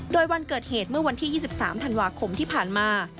โดยวันเกิดเหตุเมื่อวันที่๒๓ธันวาคมที่ผ่านมา